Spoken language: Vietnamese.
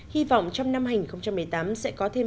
hy vọng trong năm hai nghìn một mươi tám sẽ có thêm